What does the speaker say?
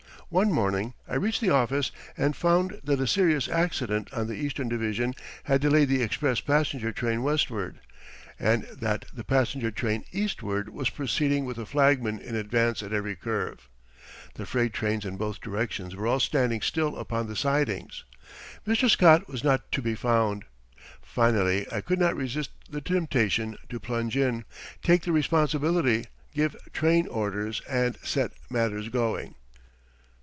One morning I reached the office and found that a serious accident on the Eastern Division had delayed the express passenger train westward, and that the passenger train eastward was proceeding with a flagman in advance at every curve. The freight trains in both directions were all standing still upon the sidings. Mr. Scott was not to be found. Finally I could not resist the temptation to plunge in, take the responsibility, give "train orders," and set matters going.